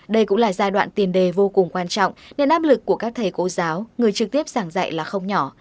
đây cũng là giai đoạn tiền đề vô cùng quan trọng nên áp lực của các thầy cô giáo người trực tiếp giảng dạy là không nhỏ